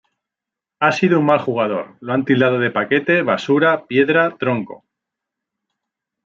Ha sido un mal jugador lo han tildado de paquete, basura, piedra, tronco.